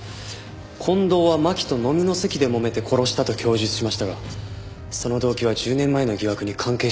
近藤は巻と飲みの席でもめて殺したと供述しましたがその動機は１０年前の疑惑に関係していたのかもしれません。